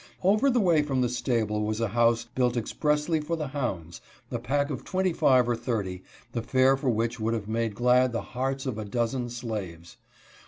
Over the way from the stable was a house built expressly for the hounds, a pack of twenty five or thirty, the fare for which would have made glad the hearts of a dozen slaves.